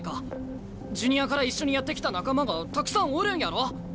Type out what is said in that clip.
ジュニアから一緒にやってきた仲間がたくさんおるんやろ？